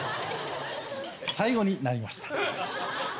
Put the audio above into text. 最後になりました。